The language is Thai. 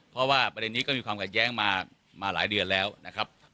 เพราะว่าประเด็นนี้ก็มีความขัดแย้งมาหลายเดือนแล้วนะครับ